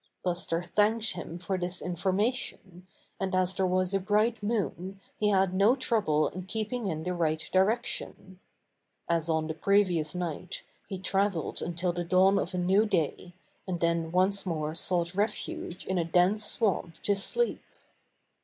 Buster thanked him for this information, and as there was a bright moon he had no trouble in keeping in the right direction. As on the previous night he traveled until the dawn of a new day, and then once more sought refuge in a dense swamp to sleep.